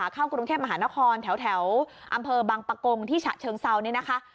เข้ากรุงเทพมหานครแถวอำเภอบังปะกงที่ฉะเชิงเซาเนี่ยนะคะ